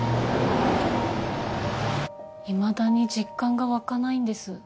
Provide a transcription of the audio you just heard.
いまだに実感が湧かないんです